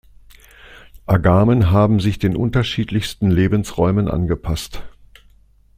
Agamen haben sich den unterschiedlichsten Lebensräumen angepasst.